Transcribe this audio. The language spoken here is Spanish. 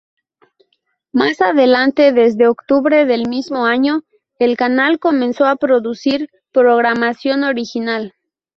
Más adelante, desde octubre del mismo año, el canal comenzó a producir programación original.